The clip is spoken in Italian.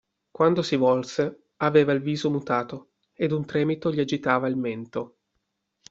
Quando si volse aveva il viso mutato, ed un tremito gli agitava il mento.